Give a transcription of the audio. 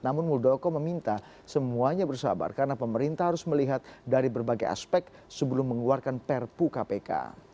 namun muldoko meminta semuanya bersabar karena pemerintah harus melihat dari berbagai aspek sebelum mengeluarkan perpu kpk